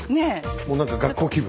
もう何か学校気分。